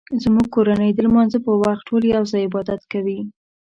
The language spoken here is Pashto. زموږ کورنۍ د لمانځه په وخت ټول یو ځای عبادت کوي